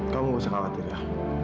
kamu nggak usah khawatir ya